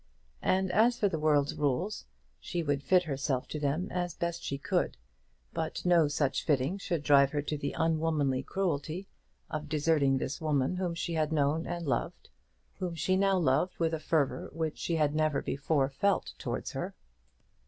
And as for the world's rules, she would fit herself to them as best she could; but no such fitting should drive her to the unwomanly cruelty of deserting this woman whom she had known and loved, and whom she now loved with a fervour which she had never before felt towards her.